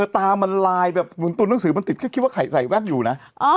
ตามันลายแบบเหมือนตุ๋นหนังสือมันติดแค่คิดว่าไข่ใส่แว่นอยู่นะ